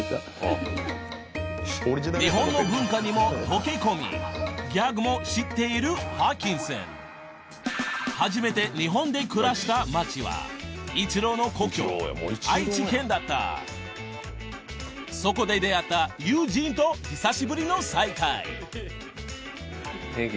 日本の文化にも溶け込みギャグも知っているホーキンソン初めて日本で暮らした町はイチローのそこで出会った友人と久しぶりの再会元気？